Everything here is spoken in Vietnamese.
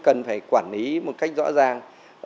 cần phải quản lý một cách rõ ràng